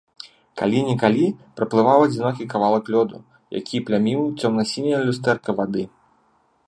Калі-нікалі праплываў адзінокі кавалак лёду, які пляміў цёмна-сіняе люстэрка вады.